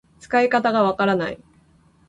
使い方がわからない